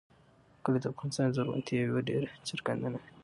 وګړي د افغانستان د زرغونتیا یوه ډېره څرګنده نښه ده.